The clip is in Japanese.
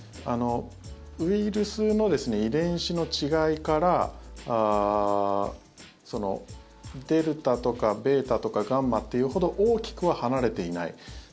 ウイルスの遺伝子の違いからデルタとかベータとかガンマっていうほど大きくは離れていない。